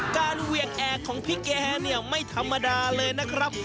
เวียงแอกของพี่แกเนี่ยไม่ธรรมดาเลยนะครับ